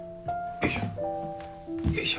よいしょ。